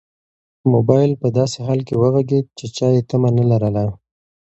موبایل په داسې حال کې وغږېد چې چا یې تمه نه لرله.